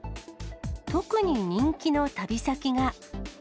特に人気の旅先が。